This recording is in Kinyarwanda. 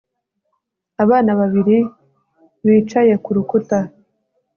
Abana babiri bicaye ku rukuta